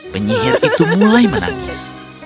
penyihir itu mulai menangis